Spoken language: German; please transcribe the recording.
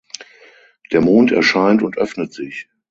Der Mond erscheint und öffnet sich.